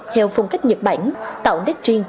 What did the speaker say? theo phong cách nhật bản tạo nét riêng